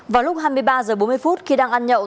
vào lúc hai mươi ba h bốn mươi khi đang ăn nhậu